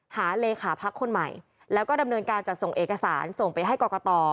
หาเลขาพักคนใหม่แล้วก็ดำเนินการจัดส่งเอกสารส่งไปให้กรกต